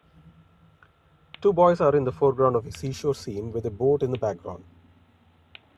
Two boys are in the foreground of a seashore scene with a boat in the background.